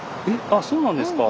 あっそうなんですか。